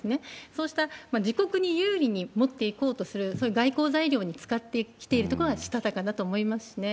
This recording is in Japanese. そうした自国に有利に持っていこうとする、そういう外交材料に使ってきているところがしたたかだと思いますね。